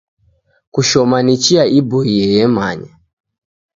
Kushoma ni chia iboiye ye manya.